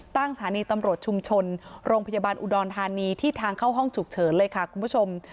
สถานีตำรวจชุมชนโรงพยาบาลอุดรธานีที่ทางเข้าห้องฉุกเฉินเลยค่ะคุณผู้ชม